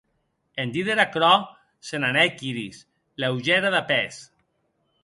En díder aquerò, se n’anèc Iris, leugèra de pès.